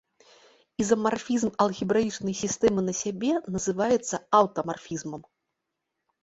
Ізамарфізм алгебраічнай сістэмы на сябе называецца аўтамарфізмам.